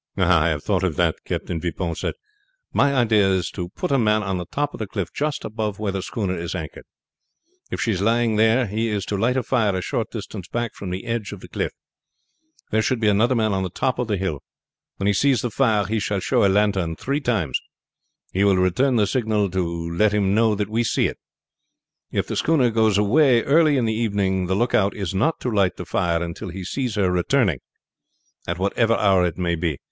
"I have thought of that," Captain Vipon said. "My idea is to put a man on the top of the cliff just above where the schooner is anchored. If she is lying there he is to light a fire a short distance back from the edge of the cliff. There should be another man on the top of the hill. When he sees the fire he shall show a lantern three times. We will return the signal to let him know that we see it. If the schooner goes away early in the evening the lookout is not to light the fire until he sees her returning, at whatever hour it may be.